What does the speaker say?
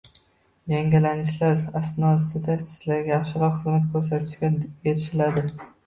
Yangilanishlar asnosida Sizga yaxshiroq xizmat ko’rsatishga erishiladi